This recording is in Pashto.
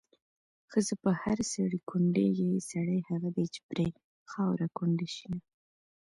ښځه په هر سړي کونډېږي، سړی هغه دی چې پرې خاوره کونډه شېنه